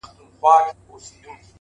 د چا ارمان چي وم; د هغه چا ارمان هم يم;